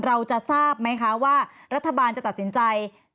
เราจะทราบไหมคะว่ารัฐบาลจะตัดสินใจ